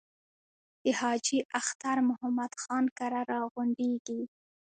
د حاجي اختر محمد خان کره را غونډېږي.